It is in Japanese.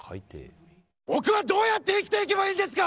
僕は、どうやって生きていけばいいんですか！